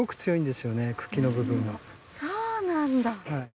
そうなんだ。